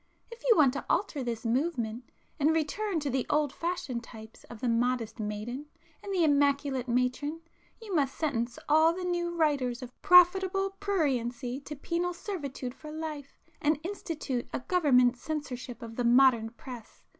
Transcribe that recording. If you want to alter this 'movement,' and return to the old fashioned types of the modest maiden and the immaculate matron, you must sentence all the 'new' writers of profitable pruriency to penal servitude for life, and institute a Government censorship of the modern press.